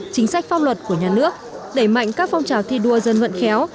chính sách pháp luật của nhà nước đẩy mạnh các phong trào thi đua dân vận khéo